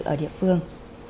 ở địa phương